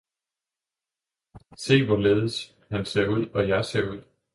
Se hvorledes han ser ud og jeg ser ud!